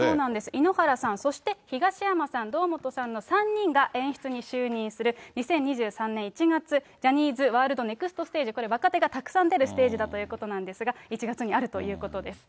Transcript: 井ノ原さん、そして東山さん、堂本さんの３人が演出に就任する、２０２３年１月、ジャニーズワールドネクストステージ、これ、若手がたくさん出るステージだということなんですが、１月にあるということです。